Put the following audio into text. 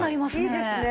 いいですね。